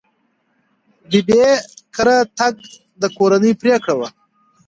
ببۍ کره تګ د کورنۍ پرېکړه وه.